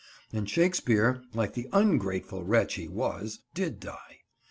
And Shakespeare, like the ungrateful wretch he was, did die.